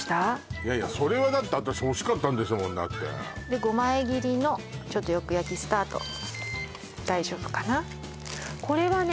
いやいやそれはだって私欲しかったんですもんだってで５枚切りのちょっとよく焼きスタート大丈夫かなこれはね